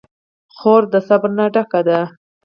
خور د صبر نه ډکه ده.